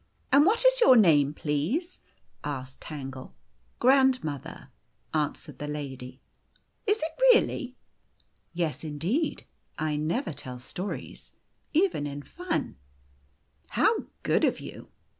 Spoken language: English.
" And what is your name, please ?" asked Tangle. " Grandmother," answered the lady. " Is it, really ?" "Yes, indeed. I never tell stories, even in fun." " How good of you